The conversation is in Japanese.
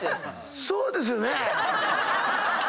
そうですよね。